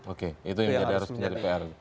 oke itu yang harus menjadi pr